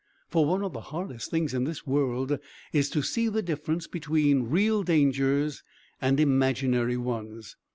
For one of the hardest things in this world is to see the difference between real dangers and imaginary ones.